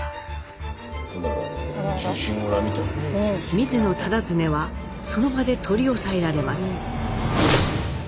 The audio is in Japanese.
水野忠恒はその場で取り押さえられます。